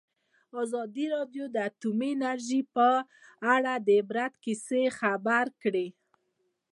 ازادي راډیو د اټومي انرژي په اړه د عبرت کیسې خبر کړي.